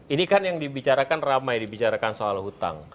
ini kan yang dibicarakan ramai dibicarakan soal hutang